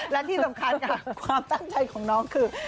และที่สำคัญค่ะความตั้งใจของน้องคือ